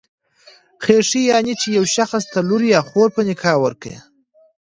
خېښي، يعنی چي يو شخص ته لور يا خور په نکاح ورکي.